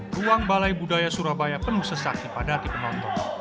ruang balai budaya surabaya penuh sesak di padatip penonton